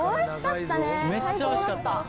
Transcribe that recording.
めっちゃおいしかった！